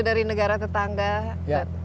dari negara tetangga